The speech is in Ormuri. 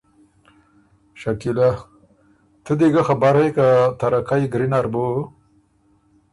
شکیلۀ: تُو دی ګۀ خبر هې که تَرَکئ ګری نر بُو